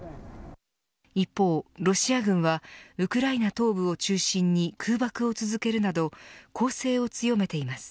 一方、ロシア軍はウクライナ東部を中心に空爆を続けるなど攻勢を強めています。